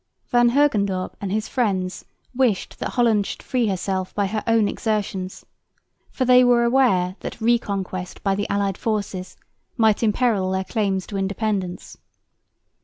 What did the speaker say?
Van Hogendorp and his friends wished that Holland should free herself by her own exertions, for they were aware that reconquest by the allied forces might imperil their claims to independence.